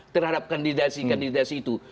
terhadap kandidasi kandidasi itu